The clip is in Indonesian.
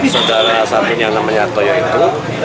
saudara satu yang namanya hartoyo itu